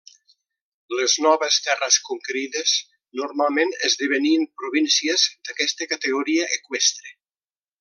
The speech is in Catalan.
Les noves terres conquerides normalment esdevenien províncies d'aquesta categoria eqüestre.